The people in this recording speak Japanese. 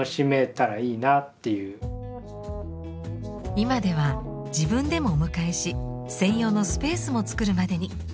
今では自分でもお迎えし専用のスペースも作るまでに。